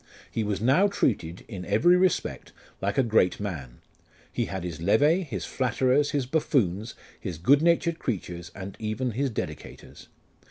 He was now treated in every respect like a great man ; he had his levee, his flatterers, his buffoons, his good natured creatures, and even his dedicators.